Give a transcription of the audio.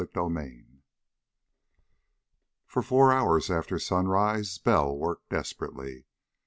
CHAPTER X For four hours after sunrise Bell worked desperately.